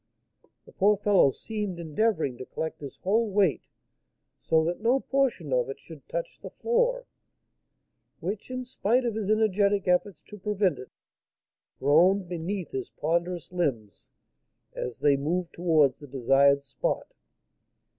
The poor fellow seemed endeavouring to collect his whole weight, so that no portion of it should touch the floor; which, in spite of his energetic efforts to prevent it, groaned beneath his ponderous limbs as they moved towards the desired spot.